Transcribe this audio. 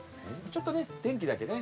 ちょっとね天気だけね。